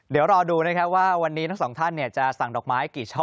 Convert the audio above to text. เดี๋ยวรอดูนะครับว่าวันนี้ทั้งสองท่านจะสั่งดอกไม้กี่ช่อ